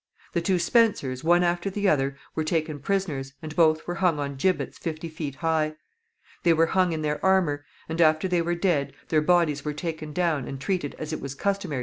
The two Spencers, one after the other, were taken prisoners, and both were hung on gibbets fifty feet high. They were hung in their armor, and after they were dead their bodies were taken down and treated as it was customary to treat the bodies of traitors.